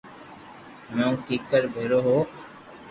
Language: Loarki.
ھمو ڪيڪير ڀيرو ھووُ